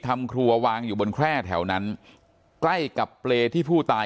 ทำครัววางอยู่บนแคร่แถวนั้นใกล้กับเปรย์ที่ผู้ตาย